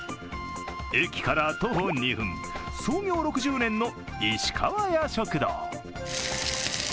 駅から徒歩２分創業６０年の石川家食堂。